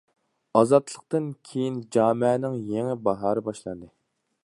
ئازادلىقتىن كېيىن جامەنىڭ يېڭى باھارى باشلاندى.